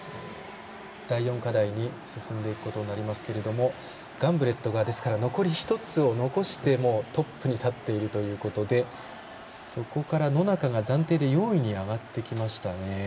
このあと準決勝の上位４人が第４課題に進んでいくことになりますけど、ガンブレットが残り１つを残して、もうトップに立っているということでそこから野中が暫定で４位に上がってきました。